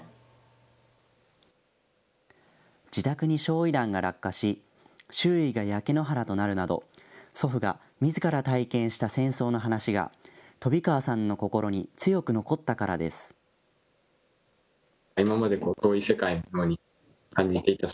自宅に焼い弾が落下し周囲が焼け野原となるなど祖父がみずから体験した戦争の話が飛川さんの心に強く残ったからです。